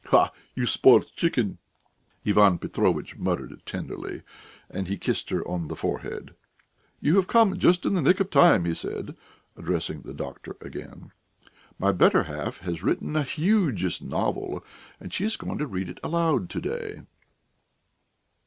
"Ah, you spoilt chicken!" Ivan Petrovitch muttered tenderly, and he kissed her on the forehead. "You have come just in the nick of time," he said, addressing the doctor again. "My better half has written a 'hugeous' novel, and she is going to read it aloud to day."